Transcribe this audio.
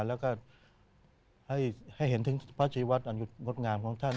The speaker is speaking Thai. แล้วก็ให้เห็นถึงพระชีวัตรอันหยุดงดงามของท่าน